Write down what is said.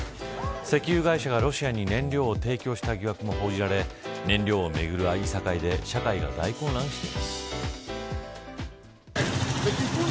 石油会社がロシアに燃料を提供した疑惑を報じられ燃料をめぐる、いさかいで社会が大混乱しています。